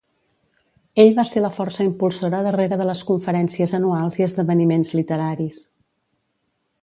Ell va ser la força impulsora darrere de les conferències anuals i esdeveniments literaris.